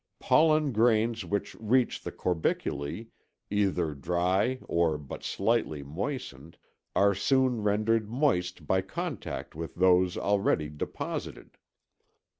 Pollen grains which reach the corbiculæ either dry or but slightly moistened are soon rendered moist by contact with those already deposited.